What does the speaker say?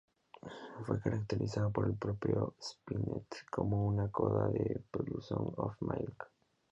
Fue caracterizado por el propio Spinetta como "una coda de "Pelusón of milk"".